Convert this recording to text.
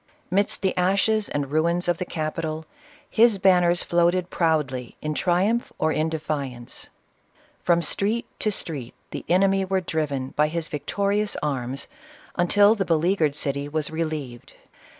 Midst the ashes and ruins of the capital, his banners floated proudly in triumph or in defiance. From street to street the enemy were driven by his victorious arms, until the beleaguered city was relieved.